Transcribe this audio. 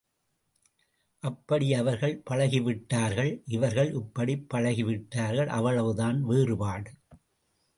அப்படி அவர்கள் பழகிவிட்டார்கள் இவர்கள் இப்படிப் பழகிவிட்டார்கள் அவ்வளவுதான் வேறுபாடு.